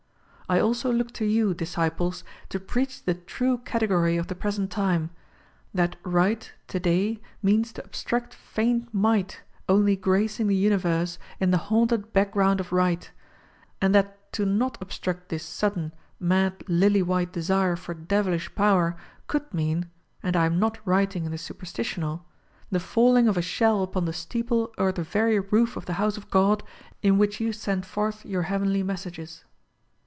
I also look to SPY PROOF AMERICA 23 you, disciples, to preach the true category of the present time — ^that right today means to obstruct feigned might only gracing the universe in the haunted background of right; and that to not obstruct this sudden, mad lily white desire for devilish power could mean (and I am not writing in the supersti tional) the falling of a shell upon the steeple o'er the very roof of the house of God in which you send forth your heavenly messages.